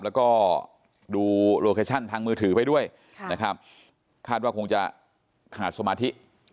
แล้วก็ดูโลเคชั่นทางมือถือไปด้วยนะครับคาดว่าคงจะขาดสมาธิ